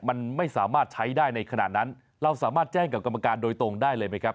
มันไม่สามารถใช้ได้ในขณะนั้นเราสามารถแจ้งกับกรรมการโดยตรงได้เลยไหมครับ